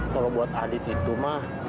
kalau buat adit itu mah